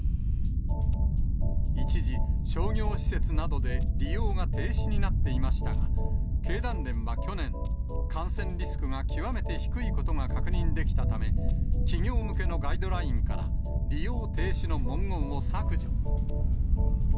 一時、商業施設などで利用が停止になっていましたが、経団連は去年、感染リスクが極めて低いことが確認できたため、企業向けのガイドラインから利用停止の文言を削除。